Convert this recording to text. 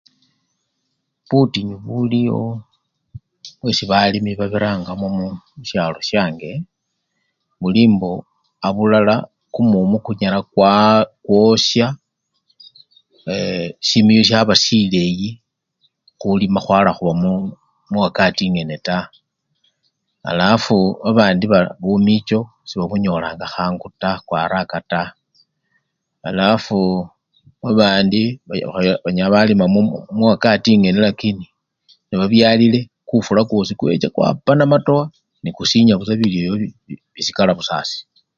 Butinyu buliwo bwesi balimi babirangamo musyalo syange, buli mbo abulala kumumu kunyala kwaa! kwosya ee! simiyu syaba sileyi, khulima khwala khuba muwakati engene taa alafu babandi ba! bumicho sebabunyolanga khangu taa "kwa araka" taa, alafu babandi banyala balima muwakati engene lakini kufula kwosi kwecha kwapa namatokho nekusinya ba! bilyo ebyo bisikala busa asii.